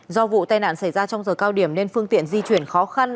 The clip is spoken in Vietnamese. do vụ tai nạn xảy ra trong giờ cao điểm nên phương tiện di chuyển khó khăn